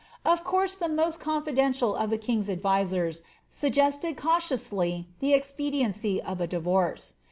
Of course tlie most confi dential of the king^s advisers suggested cautiously the expediency of a divorce.